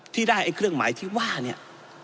ที่ได้ไอ้เครื่องหมายที่ว่าเนี่ย